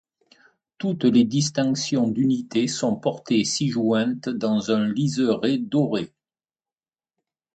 Toutes les distinctions d'unité sont portées ci-jointes dans un liseré doré.